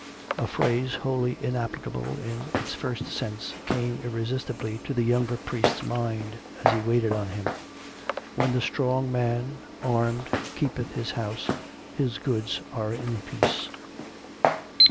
A phrase, wholly inapplicable in its first sense, came irre sistibly to the younger priest's mind as he waited on him. 390 COME RACK! COME ROPE! " When the strong man, armed, keepeth his house, his goods are in peace."